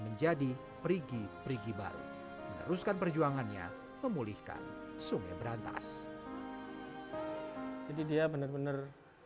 menjadi priggi prigi baru teruskan perjuangannya memulihkan sungai berantas jadi dia benar benar